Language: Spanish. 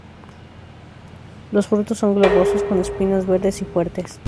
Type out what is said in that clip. Los frutos son globosos con espinas, verdes y fuertes.